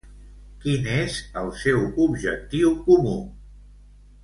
Quin és el seu objectiu comú?